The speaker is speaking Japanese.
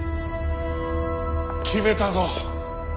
決めたぞ。